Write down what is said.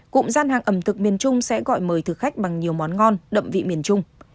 cụm gian hàng ẩm thực miền trung sẽ gọi mời thực khách bằng nhiều món ngon đậm vị miền trung